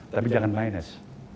tapi jangan minus